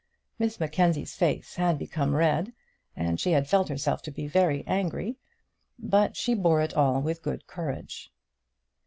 Miss Mackenzie's face had become red, and she had felt herself to be angry; but she bore it all with good courage.